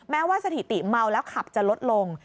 แม้ว่าสถิติเมาแล้วขับจะลดลง